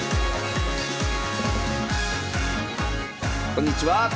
こんにちは。